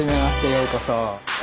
ようこそ。